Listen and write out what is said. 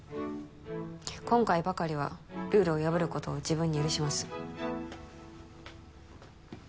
今回ばかりはルールを破ることを自分に許します